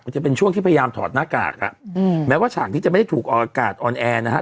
จะเป็นช่วงที่พยายามถอดหน้ากากอ่ะอืมแม้ว่าฉากที่จะไม่ได้ถูกออกอากาศออนแอร์นะฮะ